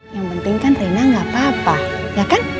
yang penting kan rina gak apa apa ya kan